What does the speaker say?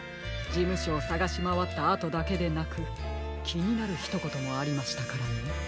じむしょをさがしまわったあとだけでなくきになるひとこともありましたからね。